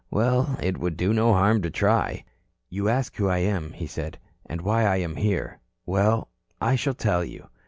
Well, it would do no harm to try. "You asked who I am," he said, "and why I am here. Well, I shall tell you."